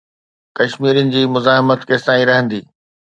ڪشميرين جي مزاحمت ڪيستائين رهندي؟